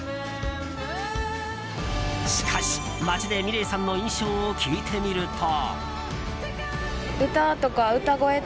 しかし、街でｍｉｌｅｔさんの印象を聞いてみると。